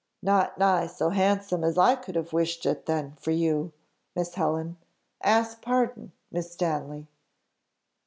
"Not nigh so handsome as I could have wished it, then, for you, Miss Helen I ask pardon, Miss Stanley."